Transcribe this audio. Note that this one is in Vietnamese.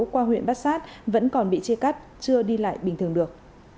qua huyện bát sát vẫn còn bị chia cắt chưa đi lại bình thường được